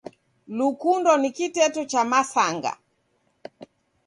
Lukundo ni kiteto cha masanga